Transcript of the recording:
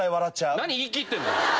何言い切ってんだよ！